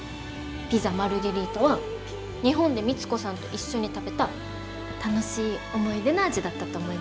ピザ・マルゲリータは日本で光子さんと一緒に食べた楽しい思い出の味だったと思いますよ。